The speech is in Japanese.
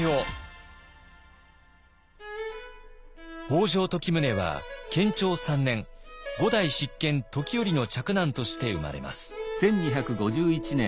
北条時宗は建長３年５代執権時頼の嫡男として生まれます。